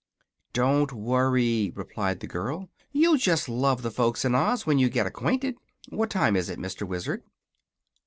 "Don't worry," replied the girl. "You'll just love the folks in Oz, when you get acquainted. What time is it, Mr. Wizard?"